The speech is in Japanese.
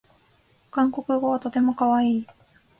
韓国語はとてもかわいい